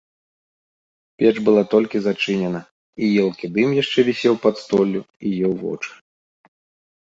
Печ была толькі зачынена, і елкі дым яшчэ вісеў пад столлю і еў вочы.